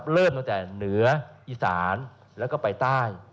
เริ่มตั้งแต่เหนืออีสานแล้วก็ไปใต้